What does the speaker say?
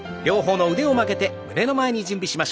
両方の腕を曲げて胸の前に。